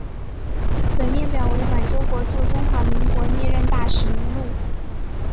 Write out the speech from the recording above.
本列表为满洲国驻中华民国历任大使名录。